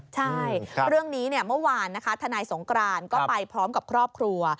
ใช่เรื่องนี้เมื่อวานนะคะทนายสงกรานก็ไปพร้อมกับครอบครัว